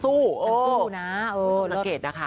สู้นะเออสังเกตนะคะ